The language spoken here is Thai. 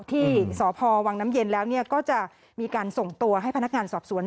ที่สพวังน้ำเย็นแล้วก็จะมีการส่งตัวให้พนักงานสอบสวน